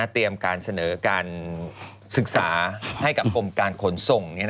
การเสนอการศึกษาให้กับกรมการขนส่ง